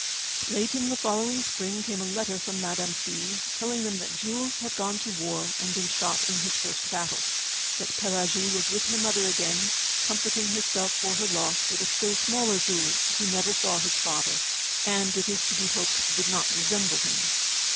Late in the following spring came a letter from Madame C., telling them that Jules had gone to the war, and been shot in his first battle; that Pelagie was with her mother again, comforting herself for her loss with a still smaller Jules, who never saw his father, and, it is to be hoped, did not resemble him.